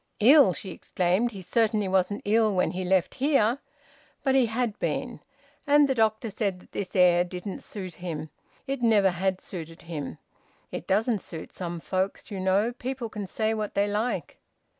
"Ill!" she exclaimed. "He certainly wasn't ill when he left here. But he had been. And the doctor said that this air didn't suit him it never had suited him. It doesn't suit some folks, you know people can say what they like."